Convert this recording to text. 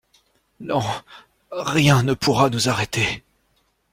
Non, rien ne pourra nous arrêter.